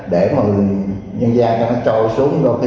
để mà nhân gian cho nó trôi xuống